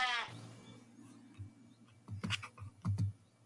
Richard's family claimed a descent from the Gaelic Magennis clan of County Down.